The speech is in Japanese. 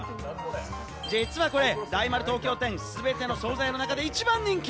実はこれ、大丸東京店、全ての総菜の中でも一番人気。